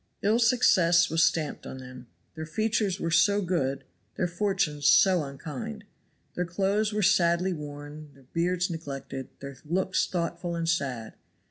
Ill success was stamped on them. Their features were so good, their fortunes so unkind. Their clothes were sadly worn, their beards neglected, their looks thoughtful and sad.